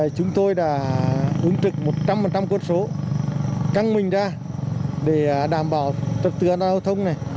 chúng tôi đã ứng trực một trăm linh cốt số căng mình ra để đảm bảo tập tư an toàn hô thông này